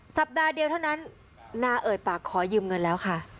สัปดาห์เดียวเท่านั้นนาเอ่ยปากขอยืมเงินแล้วค่ะ